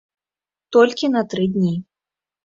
Толькі на тры дні.